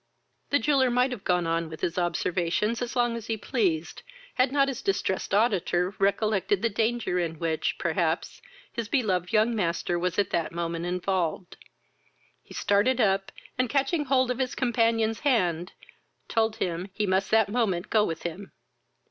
The jeweller might have gone on with his observations as long as he pleased, had not his distressed auditor recollected the danger in which, perhaps, his beloved young master was at that moment involved. He started up, and, catching hold of his companion's hand, told him, he must that moment go with him.